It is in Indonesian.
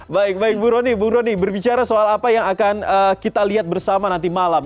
baik baik bu roni bu roni berbicara soal apa yang akan kita lihat bersama nanti malam